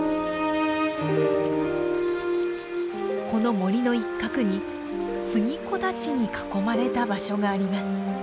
この森の一角に杉木立に囲まれた場所があります。